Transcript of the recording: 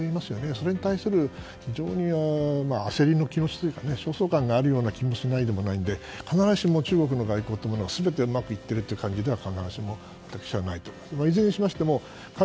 それに対する非常に焦りの気持ちという焦った感じがあるような気もしないでもないので必ずしも中国の外交が全てうまくいっているという感じではないと私は思います。